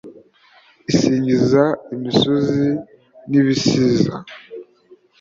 isingiza imisozi n’ibisiza